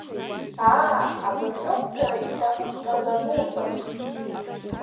Аа, абыржәоуп сара исҭахыҵәҟьаз ануҳәаз.